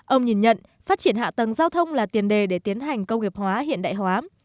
ông nhìn nhận phát triển hạ tầng giao thông là tiền đề để tiến hành công nghiệp hóa hiện đại hóa